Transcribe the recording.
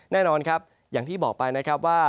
แน่นอนครับอย่างที่บอกไปนะครับว่า